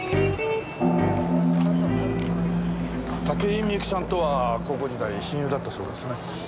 武井美由紀さんとは高校時代親友だったそうですね。